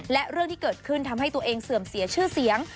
และเรื่องที่เกิดขึ้นทำให้ตัวเองเสื่อมเสียชื่อเสียง